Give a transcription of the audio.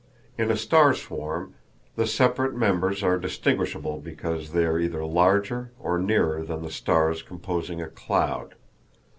In a star swarm the separate members are distinguishable because they are either larger or nearer than the stars composing a "cloud."